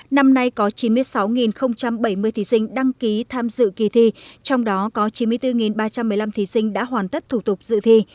năm nay có chín mươi sáu bảy mươi thí sinh đăng ký tham dự kỳ thi trong đó có chín mươi bốn ba trăm một mươi năm thí sinh đã hoàn tất thủ tục dự thi